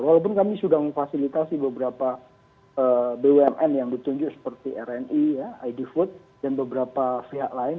walaupun kami sudah memfasilitasi beberapa bumn yang ditunjuk seperti rni id food dan beberapa pihak lain